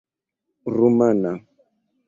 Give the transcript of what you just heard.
rumana